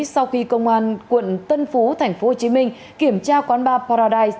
sau khi công an quận tân phú thành phố hồ chí minh kiểm tra quán bar paradise